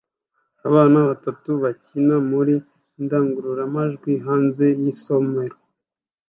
Abana batatu bato bakina muri indangurura majwi hanze yisomero